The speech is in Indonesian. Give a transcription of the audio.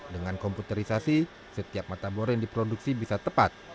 dengan komputerisasi setiap matabor yang diproduksi bisa tepat